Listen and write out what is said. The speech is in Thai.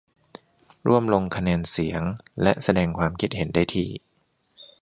ร่วมลงคะแนนเสียง และแสดงความเห็นได้ที่